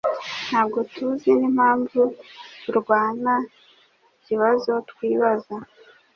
Ntabwo tuzi n'impamvu turwana ikibazo twibaza